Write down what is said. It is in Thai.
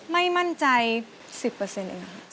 ไม่มั่นใจ๑๐เปอร์เซ็นต์เอง